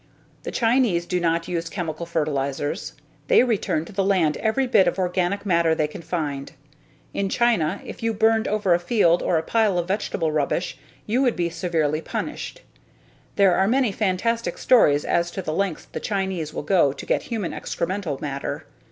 "The Chinese do not use chemical fertilizers. They return to the land every bit of organic matter they can find. In China if you burned over a field or a pile of vegetable rubbish you would be severely punished. There are many fantastic stories as to the lengths the Chinese will go to get human excremental matter.